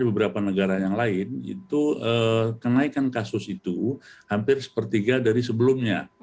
beberapa negara yang lain itu kenaikan kasus itu hampir sepertiga dari sebelumnya